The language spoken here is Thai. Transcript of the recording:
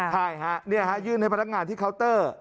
ใช่ฮะยื่นให้พนักงานที่เคาน์เตอร์